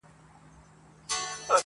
غورځېږم پورته کيږم باک مي نسته له موجونو-